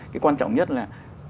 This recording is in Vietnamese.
cái quan trọng nhất là